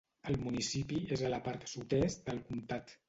El municipi és a la part sud-est del comtat.